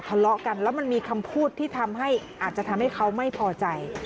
ทะเลาะกันแล้วมันมีคำพูดที่ทำให้อาจจะทำให้เขาไม่พอใจ